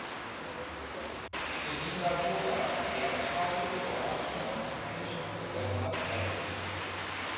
ত্রিনিদাদীয়রা গ্যাসপারিলো বলার সময় স্প্যানিশ শব্দ ব্যবহার করে না।